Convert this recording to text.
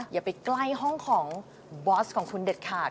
อย่าไปใกล้ห้องของบอสของคุณเด็ดขาด